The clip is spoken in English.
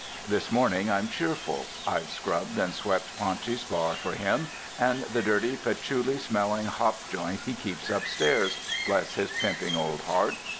"This morning I'm cheerful. I've scrubbed and swept Paunchy's bar for him, and the dirty, patchouli smelling hop joint he keeps upstairs, bless his pimping old heart.